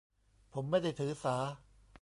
ผมไม่ได้ถือสา